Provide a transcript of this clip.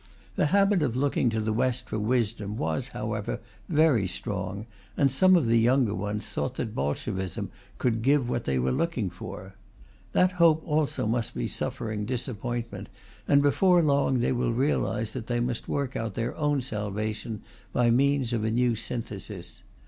The habit of looking to the West for wisdom was, however, very strong, and some of the younger ones thought that Bolshevism could give what they were looking for. That hope also must be suffering disappointment, and before long they will realize that they must work out their own salvation by means of a new synthesis.